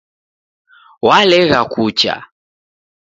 Walegha kucha